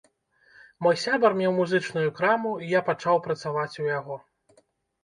Мой сябар меў музычную краму і я пачаў працаваць у яго.